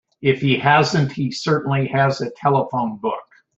If he hasn't he certainly has a telephone book.